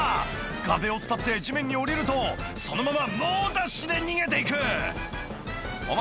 壁を伝って地面に下りるとそのまま猛ダッシュで逃げていくお前